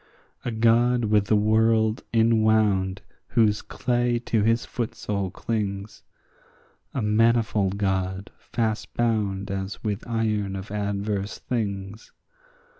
A God with the world inwound whose clay to his footsole clings; A manifold God fast bound as with iron of adverse things.